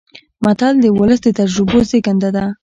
متل د ولس د تجربو زېږنده ده